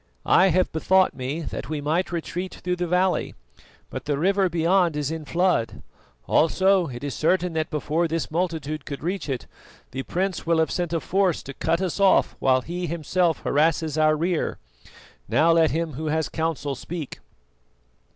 I have bethought me that we might retreat through the valley, but the river beyond is in flood; also it is certain that before this multitude could reach it, the prince will have sent a force to cut us off while he himself harasses our rear. Now let him who has counsel speak."